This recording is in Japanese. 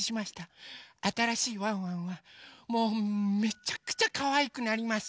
あたらしいワンワンはもうめちゃくちゃかわいくなります。